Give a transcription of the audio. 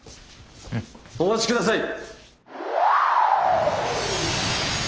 お待ちください！